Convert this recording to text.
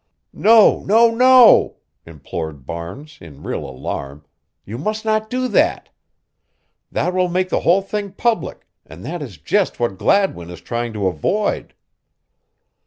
"No, no, no," implored Barnes, in real alarm, "you must not do that. That will make the whole thing public, and that is just what Gladwin is trying to avoid."